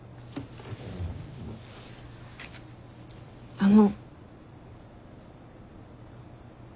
あの。